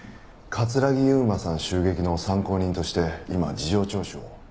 城悠真さん襲撃の参考人として今事情聴取を。